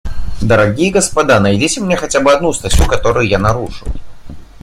Дорогие господа, найдите мне хотя бы одну статью, которую я нарушил.